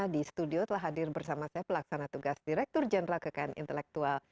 di studio telah hadir bersama saya pelaksana tugas direktur jenderal kekayaan intelektual